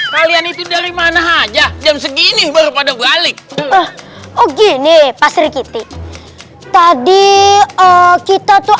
kalian itu dari mana aja jam segini baru pada balik oh gini pas riki tadi kita tuh